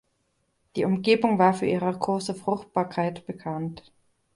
Die Umgebung war für ihre große Fruchtbarkeit bekannt.